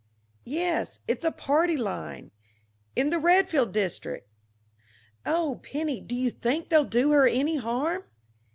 Yes... it's a party line. In the Redfield district. Oh, Penny, do you think they'll do her any harm?"